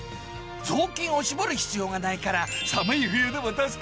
雑巾を絞る必要がないから寒い冬でも助かるな！